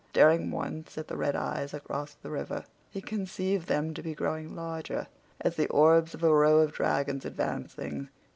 Staring once at the red eyes across the river, he conceived them to be growing larger, as the orbs of a row of dragons advancing.